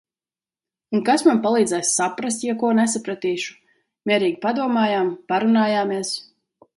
Un kas man palīdzēs saprast, ja ko nesapratīšu?... mierīgi padomājām, parunājāmies...